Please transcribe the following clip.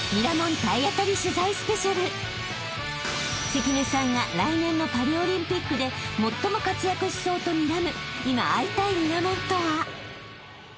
［関根さんが来年のパリオリンピックで最も活躍しそうとにらむ今会いたいミラモンとは？］